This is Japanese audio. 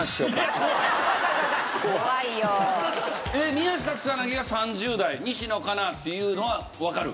宮下草薙は３０代西野カナっていうのはわかる？